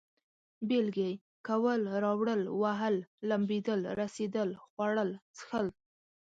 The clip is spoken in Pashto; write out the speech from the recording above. بېلگې: کول، راوړل، وهل، لمبېدل، رسېدل، خوړل، څښل